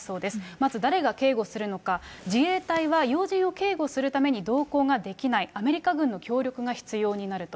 まず誰が警護するのか、自衛隊は要人を警護するために同行ができない、アメリカ軍の協力が必要になると。